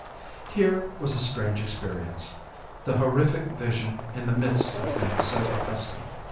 Here was a strange experience the horrific vision in the midst of things so accustomed.